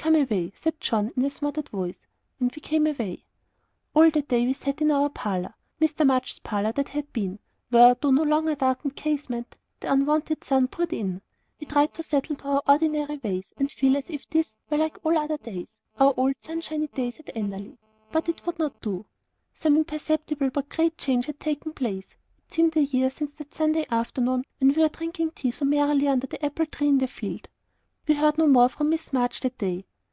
"Come away," said John, in a smothered voice and we came away. All that day we sat in our parlour Mr. March's parlour that had been where, through the no longer darkened casement, the unwonted sun poured in. We tried to settle to our ordinary ways, and feel as if this were like all other days our old sunshiny days at Enderley. But it would not do. Some imperceptible but great change had taken place. It seemed a year since that Saturday afternoon, when we were drinking tea so merrily under the apple tree in the field. We heard no more from Miss March that day.